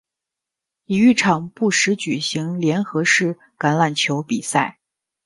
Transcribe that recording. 体育场不时举行联合式橄榄球比赛。